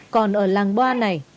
còn ở làng boa này